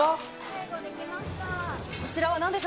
最後、できました。